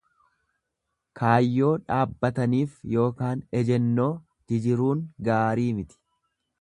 Kaayyoo dhaabbataniif ykn ejennoo jijiruun gaarii miti.